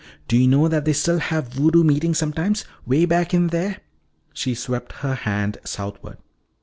Do you know that they still have voodoo meetings sometimes way back in there," she swept her hand southward.